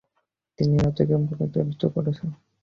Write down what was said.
তিনি এই রাজ্যকে প্রাচূর্য্যমণ্ডিত করেছেন।